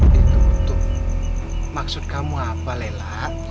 ditutup maksud kamu apa lela